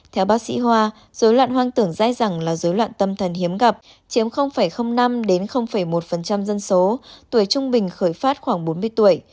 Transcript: theo bác sĩ hoa dối loạn hoang tưởng dai dẳng là dối loạn tâm thần hiếm gặp chiếm năm đến một dân số tuổi trung bình khởi phát khoảng bốn mươi tuổi